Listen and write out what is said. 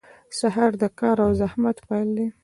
• سهار د کار او زحمت پیل دی.